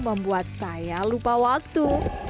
membuat saya lupa waktu